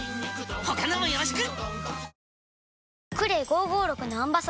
他のもよろしく！